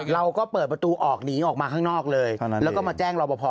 เราก็เปิดประตูออกหนีออกมาข้างนอกเลยแล้วก็มาแจ้งรอปภ